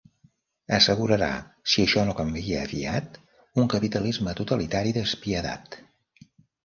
Assegurarà, si això no canvia aviat, un capitalisme totalitari despiadat.